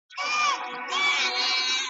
کله دومره بختور یم ,